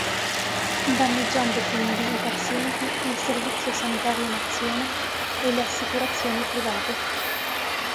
Danneggiando quindi i pazienti, il servizio sanitario nazione e le assicurazioni private.